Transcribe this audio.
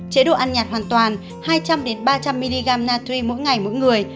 chế độ ăn nhạt hoàn toàn hai trăm linh ba trăm linh mg natry mỗi ngày mỗi người